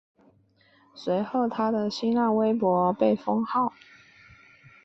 随后他的新浪微博被封号。